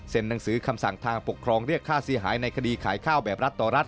หนังสือคำสั่งทางปกครองเรียกค่าเสียหายในคดีขายข้าวแบบรัฐต่อรัฐ